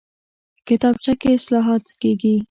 کتابچه کې اصلاحات کېږي